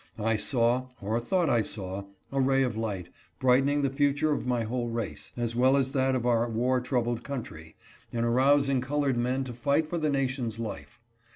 I saw, or thought I saw, a ray of light, brightening the future of my whole race, as well as that of our war troubled country, in arousing colored men to fight for the nation's life.